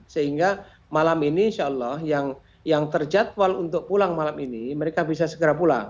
sehingga malam ini insya allah yang terjadwal untuk pulang malam ini mereka bisa segera pulang